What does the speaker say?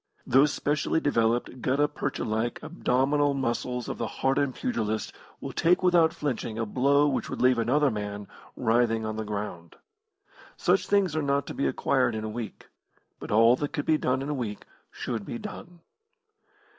Those specially developed, gutta percha like abdominal muscles of the hardened pugilist will take without flinching a blow which would leave another man writhing on the ground. Such things are not to be acquired in a week, but all that could be done in a week should be done.